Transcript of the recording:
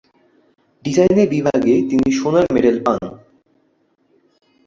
ডিজাইনে বিভাগে তিনি সোনার মেডেল পান।